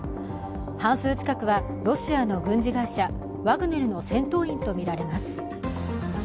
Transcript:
半数近くはロシアの軍事会社、ワグネルの戦闘員とみられます。